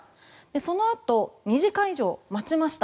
そのあと２時間以上待ちました。